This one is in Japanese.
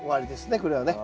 これはね。